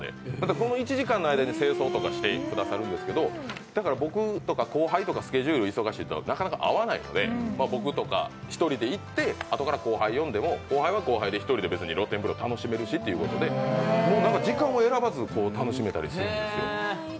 その１時間の間に清掃とかしてくださるんですけど、僕とか後輩とかスケジュールが忙しいとなかなか合わないので、僕とか１人で行ってあとから後輩を呼んでも、後輩は後輩で１人で露天風呂楽しめるし時間を選ばず楽しめたりするんですよ。